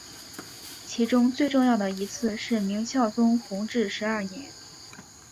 其中最重要的一次是明孝宗弘治十二年。